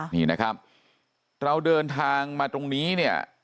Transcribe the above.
นี่นะครับเราเดินทางมาตรงนี้เนี่ย